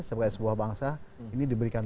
sebagai sebuah bangsa ini diberikan